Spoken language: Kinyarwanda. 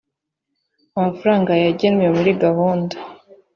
amafaranga yagenwe muri gahunda